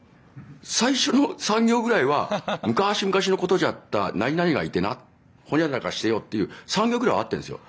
最初の３行ぐらいは昔昔のことじゃったなになにがいてなほにゃららしてよっていう３行ぐらいは合ってるんですよ。